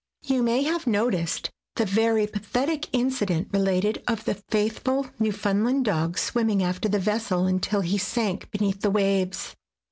You may have noticed the very pathetic incident related of the faithful Newfound land dog swimming after the vessel until he sank beneath the waves.